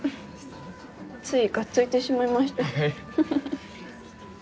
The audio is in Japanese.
ついがっついてしまいました。